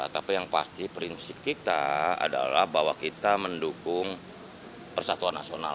tapi yang pasti prinsip kita adalah bahwa kita mendukung persatuan nasional